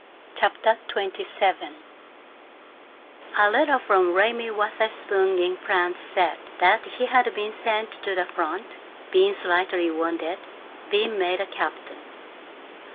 CHAPTER XXVII I A LETTER from Raymie Wutherspoon, in France, said that he had been sent to the front, been slightly wounded, been made a captain.